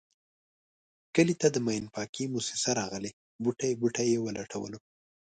کلي ته د ماین پاکی موسیسه راغلې بوټی بوټی یې و لټولو.